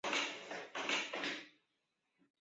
耿弇之弟耿国的玄孙。